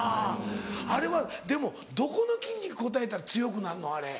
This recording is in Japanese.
あれはでもどこの筋肉鍛えたら強くなんの？あれ。